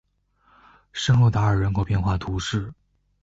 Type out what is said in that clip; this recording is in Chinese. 圣若达尔人口变化图示